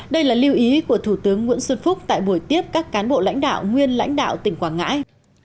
đây là lưu ý của thủ tướng nguyễn xuân phúc tại buổi tiếp các cán bộ lãnh đạo nguyên lãnh đạo tỉnh quảng ngãi